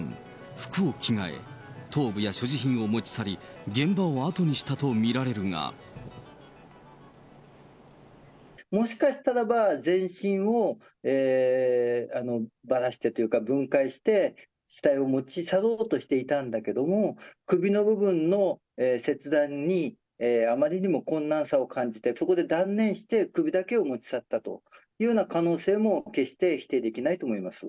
服を着替え、頭部や所持品を持ち去り、もしかしたらば、全身をばらしてというか、分解して、死体を持ち去ろうとしていたんだけれども、首の部分の切断に、あまりにも困難さを感じて、そこで断念して、首だけを持ち去ったというような可能性も決して否定できないと思います。